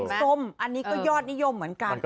ส้มอันนี้ก็ยอดนิยมเหมือนกัน